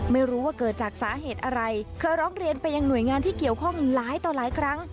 ไม่รู้ว่าเกิดจากสาเหตุอะไรเคยร้องเรียนไปยังหน่วยงานที่เกี่ยวข้องหลายต่อหลายครั้ง